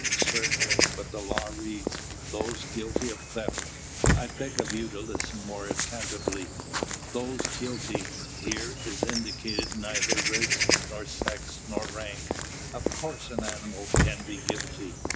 "Certainly; but the law reads, 'Those guilty of theft' I beg of you to listen most attentively 'Those guilty!' Here is indicated neither race nor sex nor rank: of course an animal can be guilty.